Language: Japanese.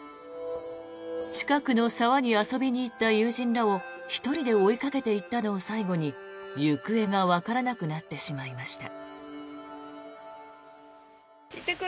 近くの沢に遊びに行った友人らを１人で追いかけていったのを最後に行方がわからなくなってしまいました。